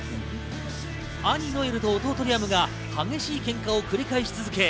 兄・ノエルと弟・リアムが激しいケンカを繰り返し続け